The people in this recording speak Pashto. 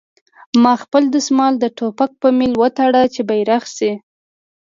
ما خپل دسمال د ټوپک په میل وتاړه چې بیرغ شي